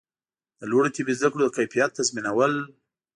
د لوړو طبي زده کړو د کیفیت تضمینول